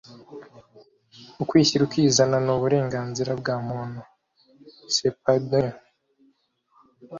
ukwishyira ukizana n’uburenganzira bwa muntu (Cepadho)